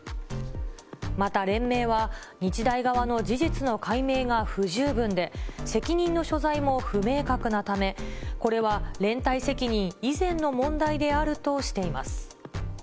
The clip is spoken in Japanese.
また連盟は、日大側の事実の解明が不十分で、責任の所在も不明確なため、これは連帯責任以前の問題であるとしています。